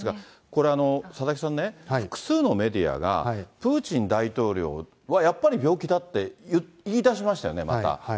これ、佐々木さんね、複数のメディアが、プーチン大統領は、やっぱり病気だって言い出しましたよね、また。